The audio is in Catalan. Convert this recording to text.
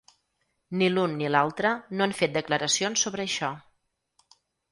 Ni l’un ni l’altre no han fet declaracions sobre això.